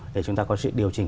để chúng ta có sự điều chỉnh